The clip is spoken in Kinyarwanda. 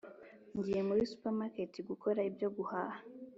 ngiye muri supermarket gukora ibyo guhaha.